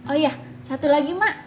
oh iya satu lagi mak